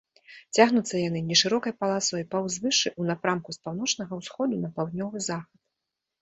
Цягнуцца яны нешырокай паласой па ўзвышшы ў напрамку з паўночнага ўсходу на паўднёвы захад.